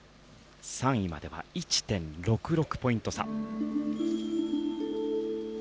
３位までは１．６６ポイント差。